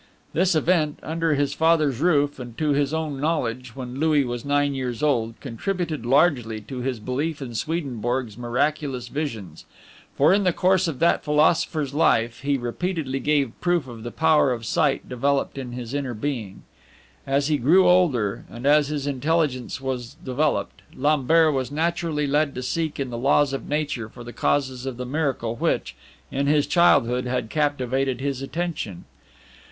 This event, under his father's roof and to his own knowledge, when Louis was nine years old, contributed largely to his belief in Swedenborg's miraculous visions, for in the course of that philosopher's life he repeatedly gave proof of the power of sight developed in his Inner Being. As he grew older, and as his intelligence was developed, Lambert was naturally led to seek in the laws of nature for the causes of the miracle which, in his childhood, had captivated his attention.